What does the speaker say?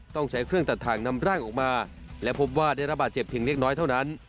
ต้องใช้เครื่องตัดทางนำร่างออกมาและพบว่าได้ระบาดเจ็บเพียงเล็กน้อยเท่านั้น